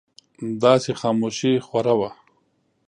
داسې خاموشي خوره وه.